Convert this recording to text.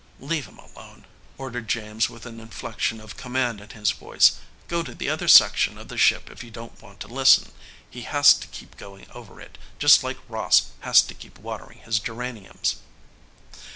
"Leave him alone," ordered James with an inflection of command in his voice. "Go to the other section of the ship if you don't want to listen. He has to keep going over it, just like Ross has to keep watering his geraniums."